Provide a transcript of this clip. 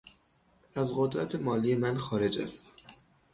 از قدرت مالی من خارج است.